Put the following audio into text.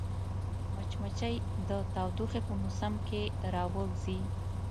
مچمچۍ د تودوخې په موسم کې راووځي